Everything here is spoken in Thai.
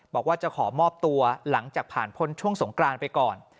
บอกว่าจะขอมอบตัวหลังจากผ่านพ้นช่วงสงกรานไปก่อน